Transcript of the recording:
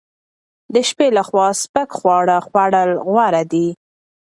د شپې لخوا سپک خواړه خوړل غوره دي.